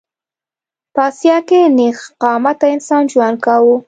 په اسیا کې نېغ قامته انسان ژوند کاوه.